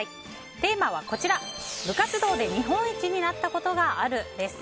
テーマは、部活動で日本一になったことがあるです。